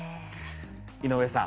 井上さん